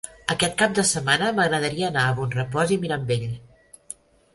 Aquest cap de setmana m'agradaria anar a Bonrepòs i Mirambell.